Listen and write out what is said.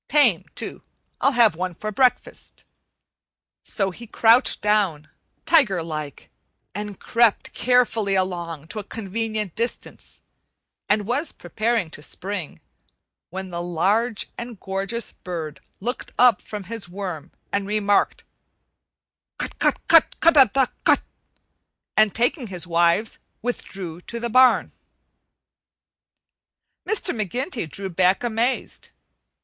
Tame, too. I'll have one for breakfast." So he crouched down, tiger like, and crept carefully along to a convenient distance and was preparing to spring, when the large and gorgeous bird looked up from his worm and remarked: "Cut cut cut, ca dah cut!" and, taking his wives, withdrew toward the barn. Mr. McGinty drew back amazed.